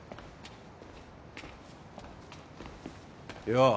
よう。